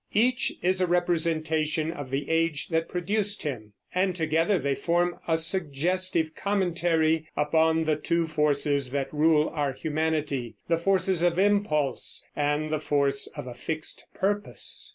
Each is representative of the age that produced him, and together they form a suggestive commentary upon the two forces that rule our humanity, the force of impulse and the force of a fixed purpose.